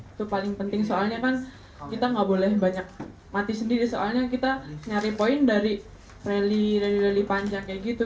itu paling penting soalnya kan kita nggak boleh banyak mati sendiri soalnya kita nyari poin dari rally rall rally panjang kayak gitu